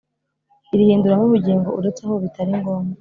irihinduramo ubugingo uretse aho bitari ngombwa